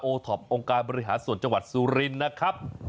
ท็อปองค์การบริหารส่วนจังหวัดสุรินทร์นะครับ